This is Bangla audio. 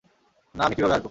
না আমি কিভাবে আসবো?